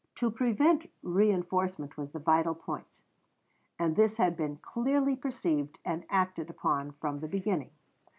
To prevent reënforcement was the vital point, and this had been clearly perceived and acted upon from the beginning.